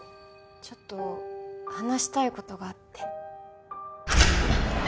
ちょっと話したい事があって。